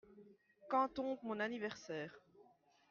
Quand tombe mon anniversaire ?